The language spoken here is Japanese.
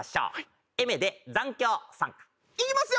いきますよ。